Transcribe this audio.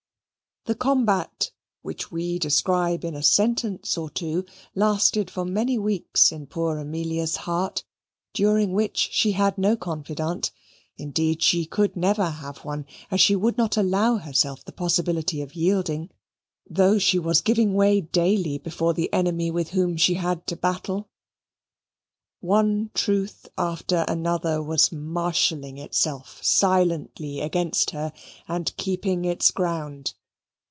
The combat, which we describe in a sentence or two, lasted for many weeks in poor Amelia's heart, during which she had no confidante; indeed, she could never have one, as she would not allow to herself the possibility of yielding, though she was giving way daily before the enemy with whom she had to battle. One truth after another was marshalling itself silently against her and keeping its ground.